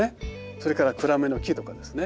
それから暗めの木とかですね